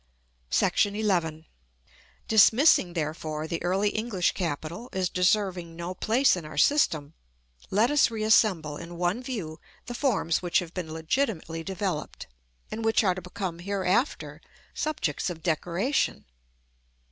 § XI. Dismissing, therefore, the Early English capital, as deserving no place in our system, let us reassemble in one view the forms which have been legitimately developed, and which are to become hereafter subjects of decoration.